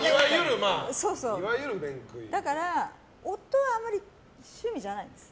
だから、夫はあまり趣味じゃないんです。